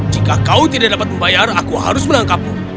jika kau tidak dapat membayar aku harus menangkapmu